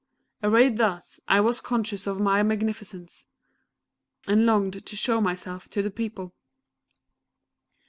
Arrayed thus, I was conscious of my magnificence, and longed to show myself to the People.